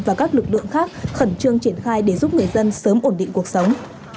và một lượng khác khẩn trương triển khai để giúp người dân sớm ổn định cuộc sống